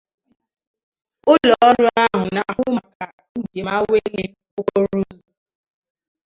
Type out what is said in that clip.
Ụlọọrụ ahụ na-ahụ maka njem awele okporoụzọ